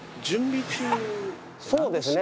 そうですね。